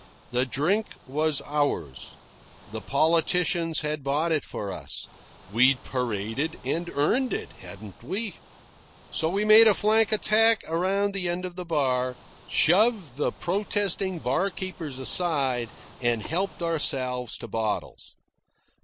The drink was ours. The politicians had bought it for us. We'd paraded and earned it, hadn't we? So we made a flank attack around the end of the bar, shoved the protesting barkeepers aside, and helped ourselves to bottles.